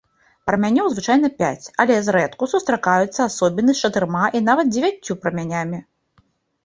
Прамянёў звычайна пяць, але зрэдку сустракаюцца асобіны з чатырма і нават дзевяццю прамянямі.